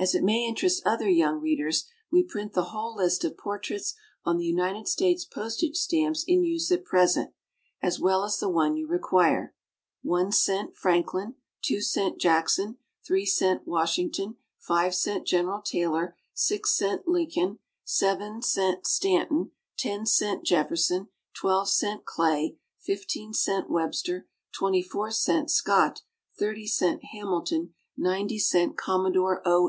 S. As it may interest other young readers, we print the whole list of portraits on the United States postage stamps in use at present, as well as the one you require: One cent, Franklin; two cent, Jackson; three cent, Washington; five cent, General Taylor; six cent, Lincoln; seven cent, Stanton; ten cent, Jefferson; twelve cent, Clay; fifteen cent, Webster; twenty four cent, Scott; thirty cent, Hamilton; ninety cent, Commodore O.